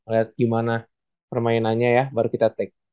lihat gimana permainannya ya baru kita take